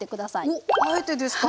おっあえてですか？